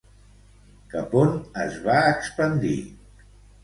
Cap on es va expandir?